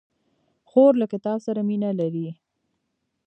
خور له کتاب سره مینه لري.